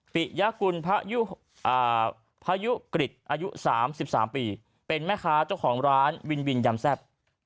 ปิยกุลพยุกริจอายุ๓๓ปีเป็นแม่ค้าเจ้าของร้านวินวินยำแซ่บ